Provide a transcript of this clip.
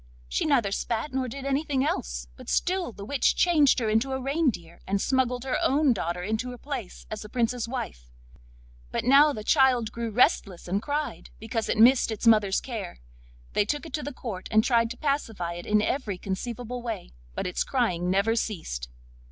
She neither spat nor did anything else, but still the witch changed her into a reindeer, and smuggled her own daughter into her place as the Prince's wife. But now the child grew restless and cried, because it missed its mother's care. They took it to the court, and tried to pacify it in every conceivable way, but its crying never ceased.